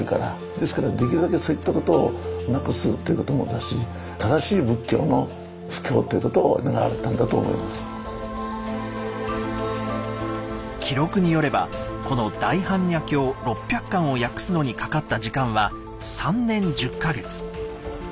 ですからできるだけそういったことをなくすということもだし記録によればこの「大般若経」６００巻を訳すのにかかった時間は３年１０か月。